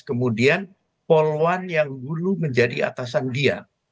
kemudian poluan yang dulu menjadi atasan dia